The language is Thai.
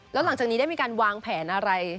แล้วหลังจากนี้ได้มีการวางแผนอะไร